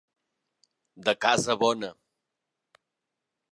De casa bona.